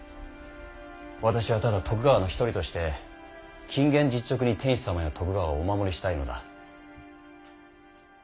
私はただ徳川の一人として謹厳実直に天子様や徳川をお守りしたいのだ。